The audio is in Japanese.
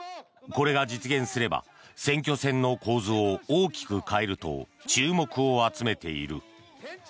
これが実現すれば選挙戦の構図を大きく変えると注目を集めている。